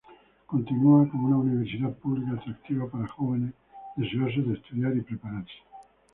Continúa como una universidad pública atractiva para jóvenes deseosos de estudiar y prepararse.